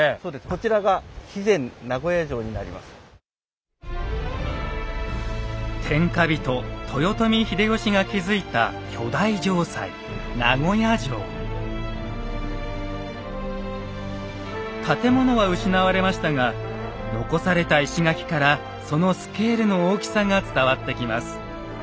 こちらが天下人・豊臣秀吉が築いた巨大城塞建物は失われましたが残された石垣からそのスケールの大きさが伝わってきます。